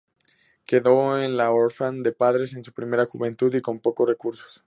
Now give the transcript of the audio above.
Quedó en la orfandad de padres en su primera juventud y con pocos recursos.